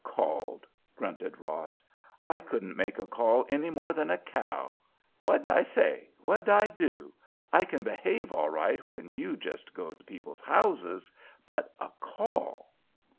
"Called!" grunted Ross. "I couldn't make a call any more than a cow. What'd I say? What'd I do? I can behave all right when you just go to people's houses—but a call!"